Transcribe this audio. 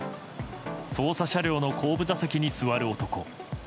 捜査車両の後部座席に座る男。